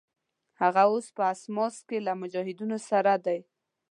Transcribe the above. هغه اوس په اسماس کې له مجاهدینو سره دی.